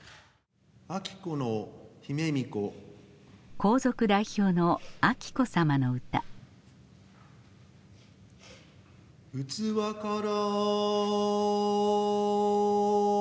皇族代表の彬子さまの歌「器から」。